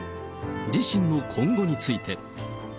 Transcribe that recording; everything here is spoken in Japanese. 自身の今後について。